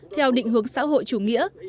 theo định hướng xã hội chủ nghĩa